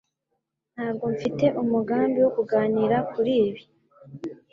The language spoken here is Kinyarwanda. Ntabwo mfite umugambi wo kuganira kuri ibi.